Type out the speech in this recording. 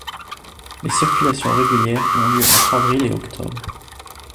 Les circulations régulières ont lieu entre avril et octobre.